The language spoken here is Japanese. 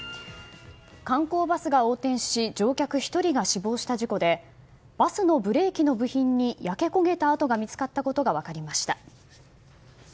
観光バスが横転し乗客１人が死亡した事故でバスのブレーキの部品に焼け焦げた跡が見つかったことが分かりました。